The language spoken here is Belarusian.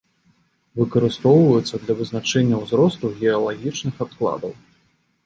Выкарыстоўваюцца для вызначэння ўзросту геалагічных адкладаў.